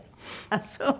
ああそう？